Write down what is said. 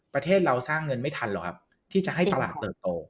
ประเทศเราสร้างเงินไม่ทันหรอกครับที่จะให้ตลาดเติบโต